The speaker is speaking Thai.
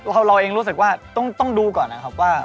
เราเองรู้สึกว่าต้องดูก่อนนะครับว่า